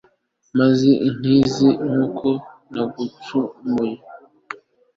maze unkize, kuko nagucumuyeho